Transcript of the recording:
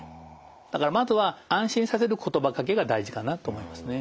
だからまずは安心させる言葉かけが大事かなと思いますね。